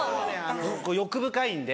欲深いんで。